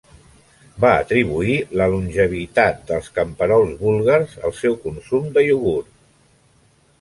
Va atribuir la longevitat dels camperols búlgars al seu consum de iogurt.